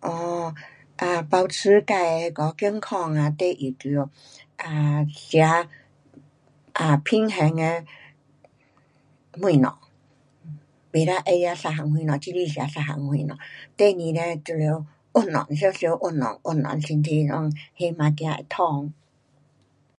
哦，啊保持自的那个健康，第一就得吃平衡的东西，不可欢喜一样东西，单单吃一样东西。第二嘞就得运动，常常运动运动身体内血也走会通。